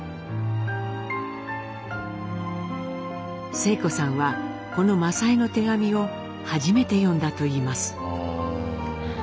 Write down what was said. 晴子さんはこの政枝の手紙を初めて読んだといいます。